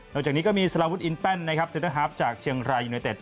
นอกจากนี้ก็มีสารวุฒิอินแปนซินเตอร์ฮาฟจากเชียงรายยูนไนเตศ